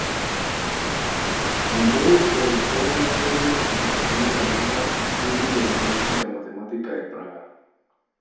Fundó y coeditó una serie de publicaciones llamada "Estudios de lingüística matemática de Praga".